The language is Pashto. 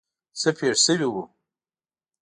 څه پېښ شوي وو.